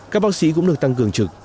các bác sĩ cũng được tăng cường trực